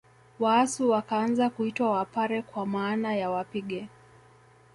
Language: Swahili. Waasu wakaanza kuitwa Wapare kwa maana ya wapige